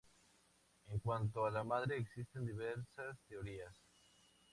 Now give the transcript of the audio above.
En cuanto a la madre, existen diversas teorías.